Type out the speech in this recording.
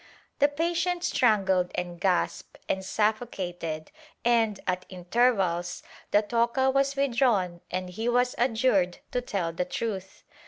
The patient strangled and gasped and suffocated and, at intervals, the toca was with drawn and he was adjured to tell the truth.